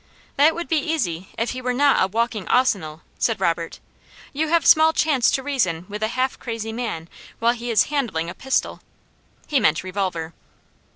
"That would be easy, if he were not a walking ahsenal," said Robert. "You have small chance to reason with a half crazy man while he is handling a pistol." He meant revolver.